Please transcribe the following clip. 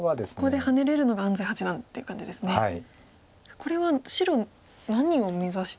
これは白何を目指して。